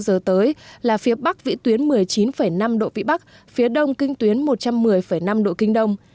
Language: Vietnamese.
hai mươi bốn giờ tới là phía bắc vĩ tuyến một mươi chín năm độ vĩ bắc phía đông kinh tuyến một trăm một mươi năm độ kinh đông